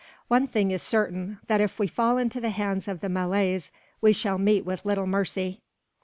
One thing is certain: that if we fall into the hands of the Malays, we shall meet with little mercy."